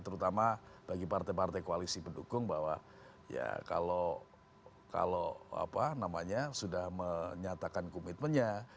terutama bagi partai partai koalisi pendukung bahwa ya kalau apa namanya sudah menyatakan komitmennya